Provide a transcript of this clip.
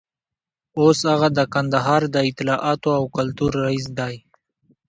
اوس هغه د کندهار د اطلاعاتو او کلتور رییس دی.